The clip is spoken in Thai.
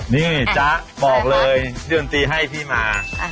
นี่จ๊ะบอกเลยพี่ดนตรีให้พี่มา